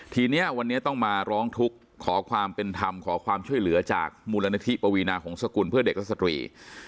ทีนี้วันนี้ต้องมาร้องทุกข์ขอความเป็นธรรมขอความช่วยเหลือจากมูลนิธิปวีนาหงษกุลเพื่อเด็กและสตรี